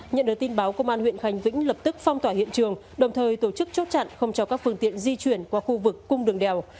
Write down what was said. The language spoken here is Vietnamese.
nhận được tin báo công an huyện khánh vĩnh lập tức phong tỏa hiện trường đồng thời tổ chức chốt chặn không cho các phương tiện di chuyển qua khu vực cung đường đèo